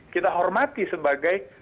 kita hormati sebagai